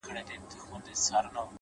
خدايه په دې شریر بازار کي رڼایي چیري ده’